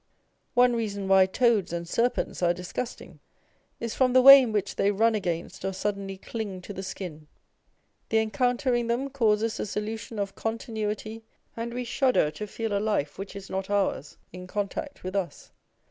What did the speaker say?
One reason why toads and serpents are disgusting, is from the way in which they run against or suddenly cling to the skin : the encountering them causes a solution of continuity, and we shudder to feel a life which is not ours in contact with us.